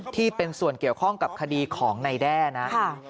ที่เป็นส่วนเกี่ยวข้องกับคดีของนายแด้นะ